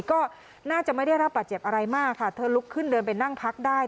ก็น่าจะไม่ได้รับบาดเจ็บอะไรมากค่ะเธอลุกขึ้นเดินไปนั่งพักได้